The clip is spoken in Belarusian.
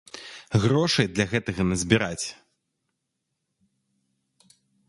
Грошай для гэтага назбіраць.